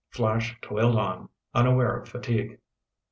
Flash toiled on, unaware of fatigue.